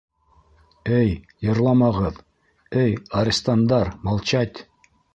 — Эй, йырламағыҙ, эй, арестандар, молчать!